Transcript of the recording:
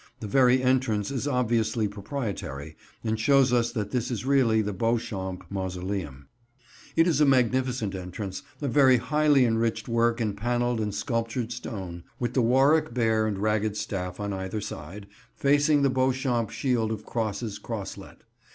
The very entrance is obviously proprietary, and shows us that this is really the Beauchamp mausoleum. [Picture: The Crypt of St. Mary's, Warwick] It is a magnificent entrance, a very highly enriched work in panelled and sculptured stone, with the Warwick Bear and Ragged Staff on either side, facing the Beauchamp shield of crosses crosslet.